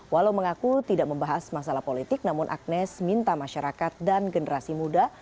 walau mengaku tidak membahas masalah politik namun agnes minta masyarakat dan generasi muda